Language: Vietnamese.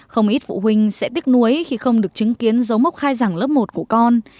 không ít phụ huynh sẽ tích nuối khi không được chứng kiến dấu mốc khai giảng lớp một của con